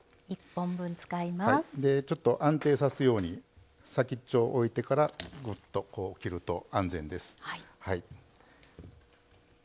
ちょっと安定さすように先っちょを置いてからぐっと切ると安全です。